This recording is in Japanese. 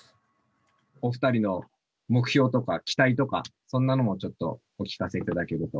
おふたりの目標とか期待とかそんなのもちょっとお聞かせ頂けると。